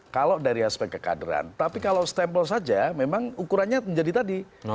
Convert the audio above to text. kalau dari aspek kekaderan tapi kalau stempel saja memang ukurannya menjadi tadi